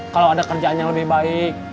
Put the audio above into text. kalau ada kerjaan yang lebih baik